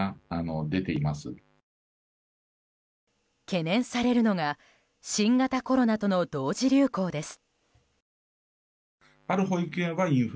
懸念されるのが新型コロナとの同時流行です。